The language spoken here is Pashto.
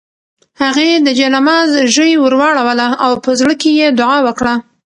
هغې د جاینماز ژۍ ورواړوله او په زړه کې یې دعا وکړه.